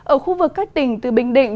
ở khu vực các tỉnh từ bình định